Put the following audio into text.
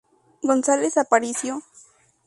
González Aparicio.